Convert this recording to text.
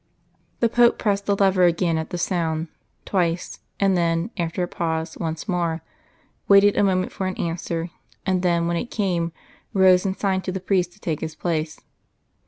The Pope pressed the lever again at the sound, twice, and then, after a pause, once more waited a moment for an answer, and then when it came, rose and signed to the priest to take his place.